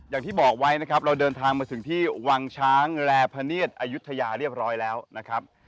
อย่างที่บอกไว้นะครับเราเดินทางมาถึงที่วังช้างแร่พะเนียดอายุทยาเรียบร้อยแล้วนะครับ